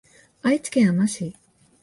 愛知県あま市